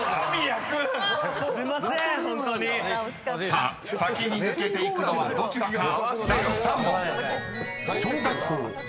［さあ先に抜けていくのはどちらか？］